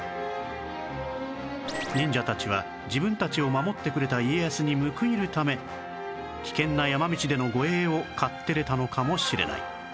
忍者たちは自分たちを守ってくれた家康に報いるため危険な山道での護衛を買って出たのかもしれない